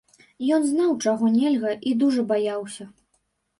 Ён знаў, чаго нельга, і дужа баяўся.